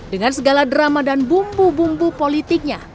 dengan segala drama dan bumbu bumbu politiknya